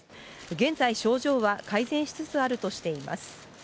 現在、症状は改善しつつあるとしています。